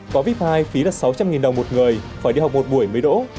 có vip hai phí là sáu trăm linh đồng một người phải đi học một buổi mới đỗ